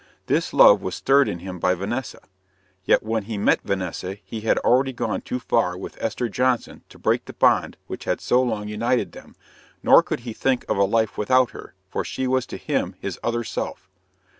This love was stirred in him by Vanessa. Yet when he met Vanessa he had already gone too far with Esther Johnson to break the bond which had so long united them, nor could he think of a life without her, for she was to him his other self.